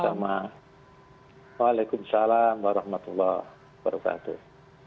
assalamualaikum waalaikumsalam warahmatullahi wabarakatuh